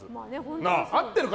合ってるか？